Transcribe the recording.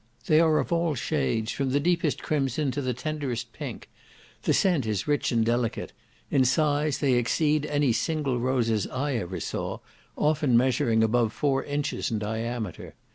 They are of all shades, from the deepest crimson to the tenderest pink. The scent is rich and delicate; in size they exceed any single roses I ever saw, often measuring above four inches in diameter.